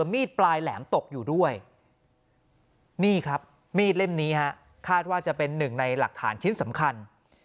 มีดปลายแหลมตกอยู่ด้วยนี่ครับมีดเล่มนี้ฮะคาดว่าจะเป็นหนึ่งในหลักฐานชิ้นสำคัญ